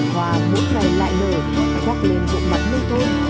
hoa bước này lại nở khoác lên vụ mặt nâng thôn